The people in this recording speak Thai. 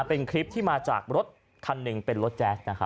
เป็นคลิปที่มาจากรถคันหนึ่งเป็นรถแจ๊ส